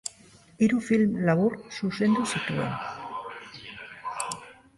Hiru film labur zuzendu zituen.